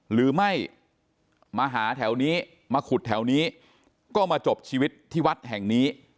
หรือไม่มาหาแถวนี้มาขุดแถวนี้ก็มาจบชีวิตที่วัดแห่งนี้